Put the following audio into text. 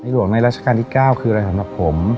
หลวงในราชการที่๙คืออะไรสำหรับผม